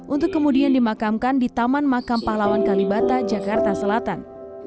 untuk kemudian dimakamkan di taman makam pahlawan kalibata jakarta selatan